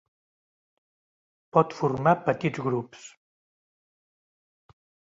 Pot formar petits grups.